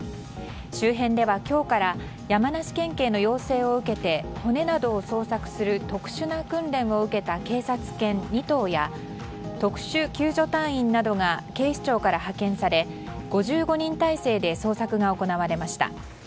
周辺では今日から山梨県警の要請を受けて骨などを捜索する特殊な訓練を受けた警察犬２頭や特殊救助隊員などが警視庁から派遣され５５人態勢で捜索が行われました。